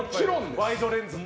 ワイドレンズって。